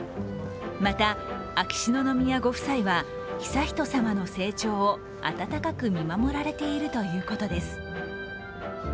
また、秋篠宮ご夫妻は悠仁さまの成長を温かく見守られているということです。